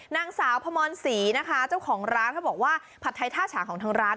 นางสาวพมรศรีนะคะเจ้าของร้านเขาบอกว่าผัดไทยท่าฉาของทางร้าน